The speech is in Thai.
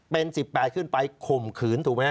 เป็น๑๘ขึ้นไปข่มขืนถูกไหมฮ